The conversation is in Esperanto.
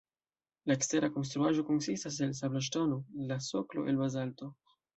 La ekstera konstruaĵo konsistas el sabloŝtono, la soklo el bazalto.